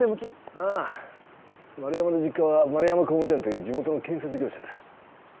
ああ丸山の実家は丸山工務店という地元の建設業者だあ